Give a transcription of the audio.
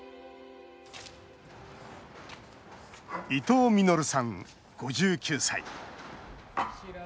伊藤稔さん、５９歳。